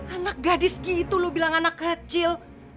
anak gadis gitu lo bilang anak kecil